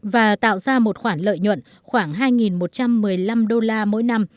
và tạo ra một khoản lợi nhuận khoảng hai một trăm một mươi năm đô la mỗi năm